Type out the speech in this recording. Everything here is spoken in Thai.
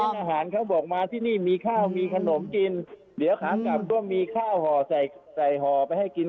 แล้วแล้วที่บอกว่ามีค่าค่าตัวนี่แปลว่าอะไรฮะอยู่กับกรุงเทพนี่คุณ